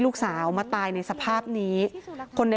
อยู่ดีมาตายแบบเปลือยคาห้องน้ำได้ยังไง